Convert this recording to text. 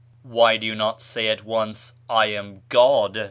" Why do you not say at once 'I am God'?"